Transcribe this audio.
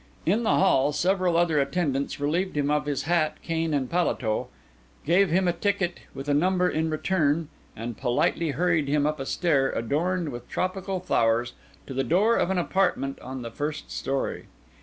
In the hall several other attendants relieved him of his hat, cane, and paletot, gave him a ticket with a number in return, and politely hurried him up a stair adorned with tropical flowers, to the door of an apartment on the first storey.